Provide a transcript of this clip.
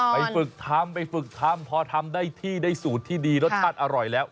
ไปฝึกทำไปฝึกทำพอทำได้ที่ได้สูตรที่ดีรสชาติอร่อยแล้ว